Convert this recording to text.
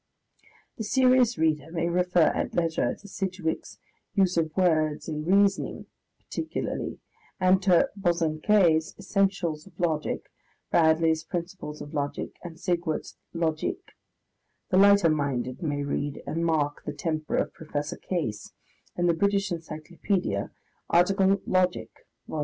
[Footnote: The serious reader may refer at leisure to Sidgwick's Use of Words in Reasoning (particularly), and to Bosanquet's Essentials of Logic, Bradley's Principles of Logic, and Sigwart's Logik; the lighter minded may read and mark the temper of Professor Case in the British Encyclopaedia, article Logic (Vol.